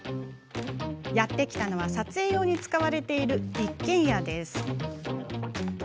やって来たのは撮影用に使われている一軒家。